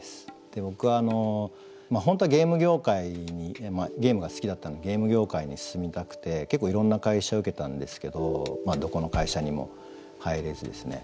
僕本当はゲーム業界にゲームが好きだったのでゲーム業界に進みたくて結構いろんな会社受けたんですけどどこの会社にも入れずですね。